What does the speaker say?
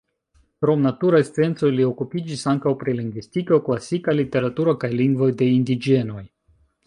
Krom naturaj sciencoj li okupiĝis ankaŭ pri lingvistiko, klasika literaturo, kaj lingvoj de indiĝenoj.